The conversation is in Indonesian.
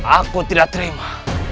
aku tidak terima